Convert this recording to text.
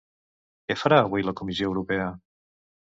Què farà avui la Comissió Europea?